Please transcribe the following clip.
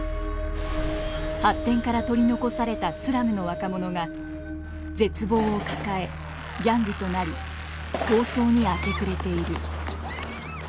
発展から取り残されたスラムの若者が絶望を抱えギャングとなり抗争に明け暮れている。